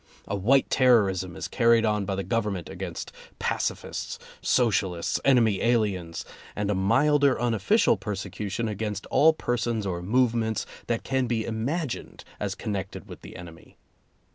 A white terrorism is carried on by the Government against pacifists, Socialists, enemy aliens, and a milder un official persecution against all persons or move ments that can be imagined as connected with the enemy.